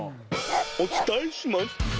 お伝えします。